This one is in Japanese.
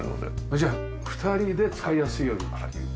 じゃあ２人で使いやすいようにっていう。